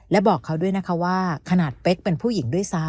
และบอกเขาด้วยนะคะว่าขนาดเป๊กเป็นผู้หญิงด้วยซ้ำ